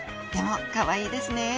でもかわいいですね